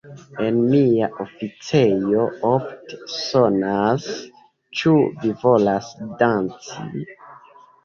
En mia oficejo ofte sonas Ĉu vi volas danci?